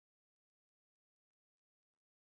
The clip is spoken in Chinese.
勒布莱蒂耶尔里。